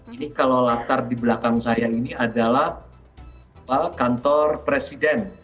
ini kalau latar di belakang saya ini adalah kantor presiden